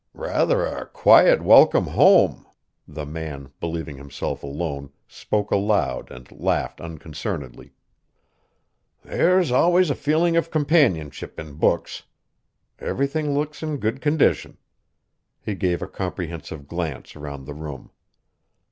"Rather a quiet welcome home!" The man, believing himself alone, spoke aloud and laughed unconcernedly. "There's always a feeling of companionship in books. Everything looks in good condition." He gave a comprehensive glance around the room.